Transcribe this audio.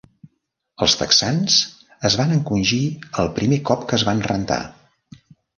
Els texans es van encongir el primer cop que es van rentar.